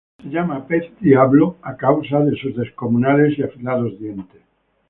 Es llamada pez diablo a causa de sus descomunales y afilados dientes.